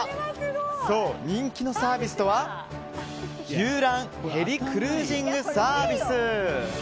そう、人気のサービスとは遊覧ヘリクルージングサービス！